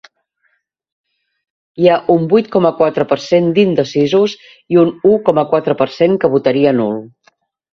Hi ha un vuit coma quatre per cent d’indecisos i un u coma quatre per cent que votaria nul.